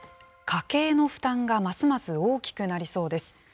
家計の負担がますます大きくなりそうです。